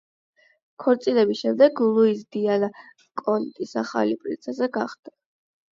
ქორწინების შემდეგ ლუიზ დიანა კონტის ახალი პრინცესა გახდა.